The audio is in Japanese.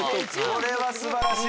これは素晴らしい！